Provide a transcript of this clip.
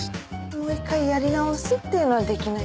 もう１回やり直すっていうのはできない？